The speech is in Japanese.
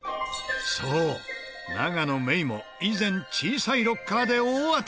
そう永野芽郁も以前小さいロッカーで大当たり！